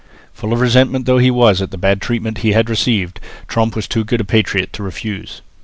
Full of resentment though he was at the bad treatment he had received, Tromp was too good a patriot to refuse.